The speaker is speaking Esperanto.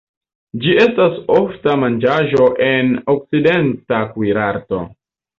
Ĝi estas ofta manĝaĵo en okcidenta kuirarto.